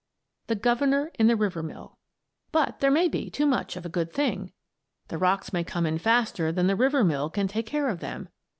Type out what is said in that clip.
THE GOVERNOR IN THE RIVER MILL But there may be too much of a good thing; the rocks may come in faster than the river mill can take care of them.